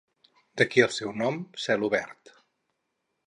D'aquí el seu nom: celobert.